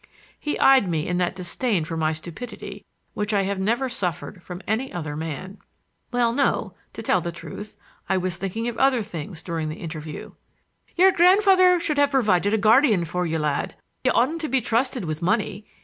He eyed me in that disdain for my stupidity which I have never suffered from any other man. "Well, no; to tell the truth, I was thinking of other things during the interview." "Your grandfather should have provided a guardian for you, lad. You oughtn't to be trusted with money.